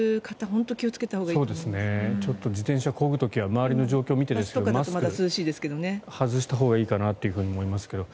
本当に気をつけたほうが自転車こぐ時には周りの状況を見て、マスクを外したほうがいいかなと思いますけど。